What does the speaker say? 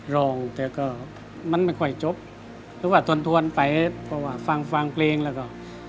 ร้องแต่ก็มันไม่ค่อยจบหรือว่าทวนทวนไปเพราะว่าฟังฟังเพลงแล้วก็